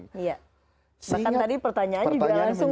bahkan tadi pertanyaan juga langsung